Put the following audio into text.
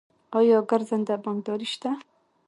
آیا ګرځنده بانکداري شته؟